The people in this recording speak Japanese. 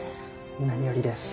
何よりです。